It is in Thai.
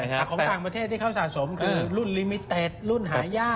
ค่ะของต่างประเทศที่เขาสะสมคือรุ่นรุ่นหายาก